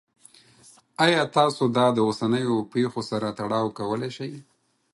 ایا تاسو دا د اوسنیو پیښو سره تړاو کولی شئ؟